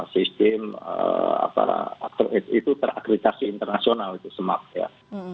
sistem itu terakreditasi internasional itu smart ya